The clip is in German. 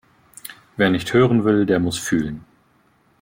Wer nicht hören will, der muss fühlen.